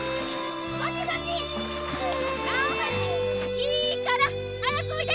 いいからおいで！